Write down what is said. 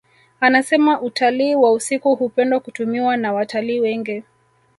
Anasema utalii wa usiku hupendwa kutumiwa na watalii wengi